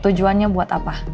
tujuannya buat apa